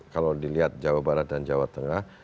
kalau dilihat jawa barat dan jawa tengah